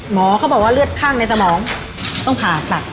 เขาบอกว่าเลือดข้างในสมองต้องผ่าตัด